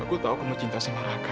aku tahu kamu cinta sama raka